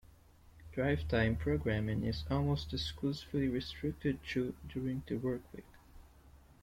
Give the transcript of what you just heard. Drive time programming is almost exclusively restricted to during the work week.